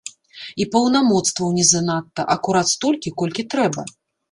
І паўнамоцтваў не занадта, акурат столькі, колькі трэба.